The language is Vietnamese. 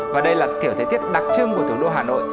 và đây là kiểu thời tiết đặc trưng của thủ đô hà nội